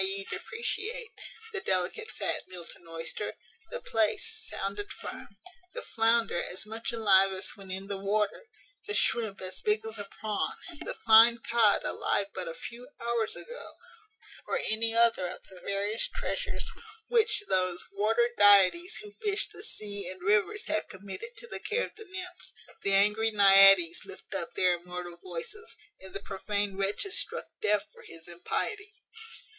e._, depreciate, the delicate fat Milton oyster, the plaice sound and firm, the flounder as much alive as when in the water, the shrimp as big as a prawn, the fine cod alive but a few hours ago, or any other of the various treasures which those water deities who fish the sea and rivers have committed to the care of the nymphs, the angry Naïades lift up their immortal voices, and the prophane wretch is struck deaf for his impiety.